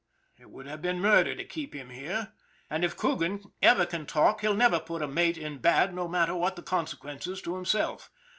It would have been murder to keep him here. And if Coogan ever can talk he'll never put a mate in bad no matter what the consequences to himself.